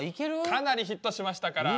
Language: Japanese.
かなりヒットしましたから。